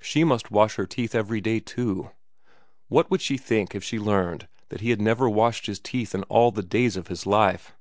She must wash her teeth every day, too. What would she think if she learned that he had never washed his teeth in all the days of his life?